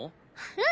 うん。